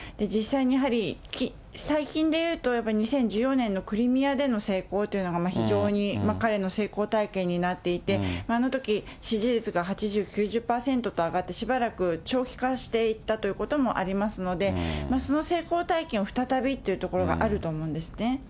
実際にやはり、最近でいうと、やっぱり２０１４年のクリミアでの成功というのが非常に彼の成功体験になっていて、あのとき、支持率が８０、９０％と上がって、しばらく長期化していったということもありますので、その成功体験を再びっていうところがあると思うんですね。